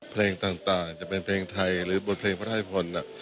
เพลงต่างจะเป็นเพลงไทยหรือบทเพลงพระราชนิพล